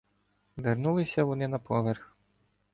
Вернулися вони на поверх.